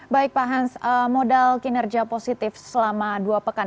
baik pak hans modal kinerja positif selama dua pekan